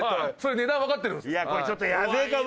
値段わかってるんです。